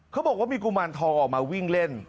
เขาบอกว่ามีกุมารทองออกมาวิ่งเล่น